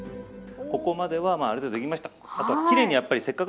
ここまではある程度出来ました。